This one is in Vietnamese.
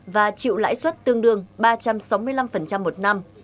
và chịu lãi suất tương đương ba trăm sáu mươi năm một năm